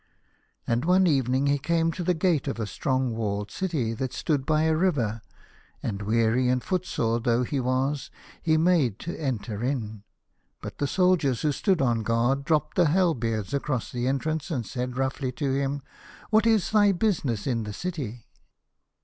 And one evening he came to the gate of a strong walled city that stood by a river, and, weary and footsore though he was, he made to enter in. But the soldiers who stood on guard dropped their halberts across the en trance, and said roughly to him, " What is thy business in the city